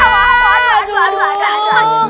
waduh aduh aduh aduh